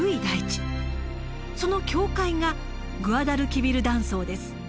その境界がグアダルキビル断層です。